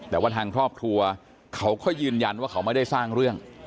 แต่ว่าทางครอบครัวเขาก็ยืนยันว่าเขาไม่ได้สร้างเรื่อง